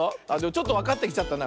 ちょっとわかってきちゃったな。